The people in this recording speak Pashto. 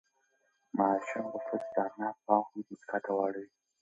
ماشوم غوښتل چې د انا پام خپلې مسکا ته واړوي.